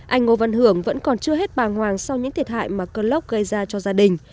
anh ngô văn hưởng vẫn còn chưa hết bàng hoàng sau những thiệt hại mà cơn lốc gây ra cho gia đình